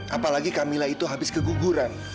apalagi camilla itu habis keguguran